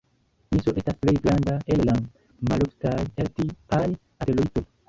Niso estas plej granda el la maloftaj E-tipaj asteroidoj.